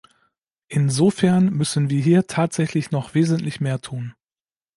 Insofern müssen wir hier tatsächlich noch wesentlich mehr tun.